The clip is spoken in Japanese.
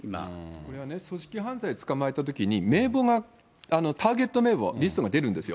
これは組織犯罪を捕まえたときに名簿が、ターゲット名簿、リストが出るんですよ。